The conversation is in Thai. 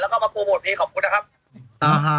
แล้วก็มาโปรโมทเพลงขอบคุณนะครับอ่าฮะ